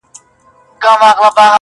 اور د میني بل نه وي بورا نه وي!